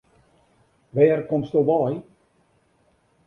Wêr komsto wei?